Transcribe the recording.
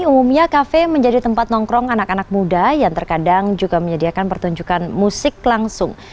umumnya kafe menjadi tempat nongkrong anak anak muda yang terkadang juga menyediakan pertunjukan musik langsung